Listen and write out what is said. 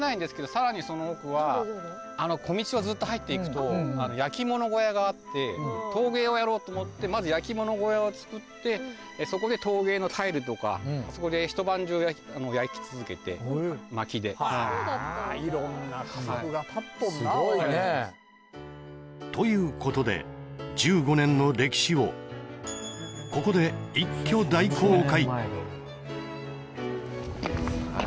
さらにその奥は焼き物小屋があって陶芸をやろうと思ってまず焼き物小屋をつくってそこで陶芸のタイルとかそこで一晩中焼き続けて薪でそうだったんだ色んな立っとんなすごいねということで１５年の歴史をここで一挙大公開